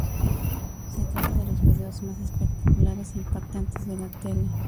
Se trata de los vídeos más espectaculares e impactantes de la tele.